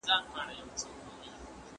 که منی وي نو میوه نه خامیږي.